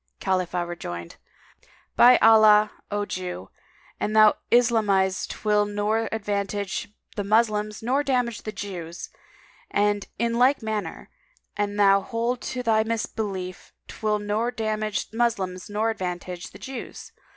[FN#207] Khalifah rejoined, "By Allah, O Jew, an thou islamise 'twill nor advantage the Moslems nor damage the Jews; and in like manner, an thou hold to thy misbelief 'twill nor damage the Moslems nor advantage the Jews.